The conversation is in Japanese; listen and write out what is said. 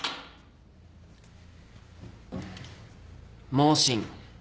妄信。